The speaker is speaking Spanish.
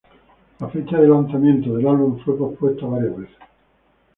La fecha de lanzamiento del álbum fue pospuesta varias veces.